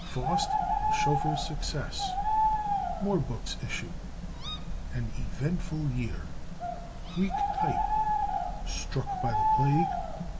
Faust and Schoeffer's Success. More Books issued. An Eventful Year. Greek Type. Struck by the Plague.